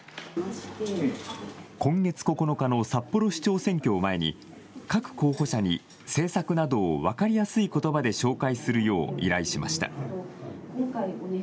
今月９日の札幌市長選挙を前に各候補者に政策などを分かりやすいことばで紹介するよう依頼しました。